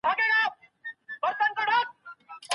بخښنه غواړو، یو څه وران شو